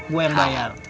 gue yang bayar